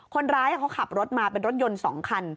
คนร้ายเขาขับรถมาเป็นรถยนต์๒คัน